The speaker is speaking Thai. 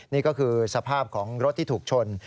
นี่ก็คือสภาพของรถที่ถูกชน